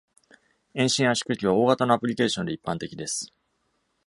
遠心圧縮機は大型のアプリケーションで一般的です。